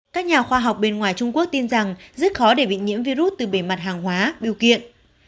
các nhà khoa học bên ngoài trung quốc tin rằng rất khó để bị nhiễm virus từ bề mặt hàng hóa biêu kiện